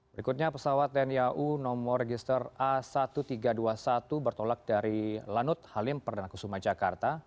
berikutnya pesawat tni au nomor register a seribu tiga ratus dua puluh satu bertolak dari lanut halim perdana kusuma jakarta